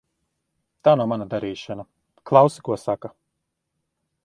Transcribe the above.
Tā nav mana darīšana. Klausi, ko saka.